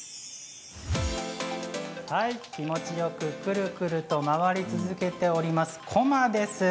気持ちよくくるくると回り続けておりますこまです。